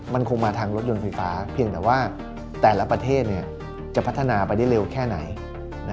มันคงมาทางรถยนต์ไฟฟ้าเพียงแต่ว่าแต่ละประเทศจะพัฒนาไปได้เร็วแค่ไหน